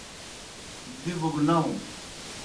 دِبوْ گہ ناؤں۔